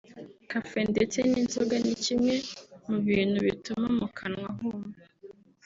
Café ndetse n’inzoga ni kimwe mu bintu bituma mu kanwa huma